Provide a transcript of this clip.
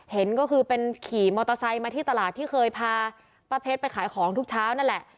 เห็นก็คือเป็นขี่มอเตอร์ไซค์มาที่ตลาดที่เคยพาป้าเพชรไปขายของทุกเช้านั่นแหละ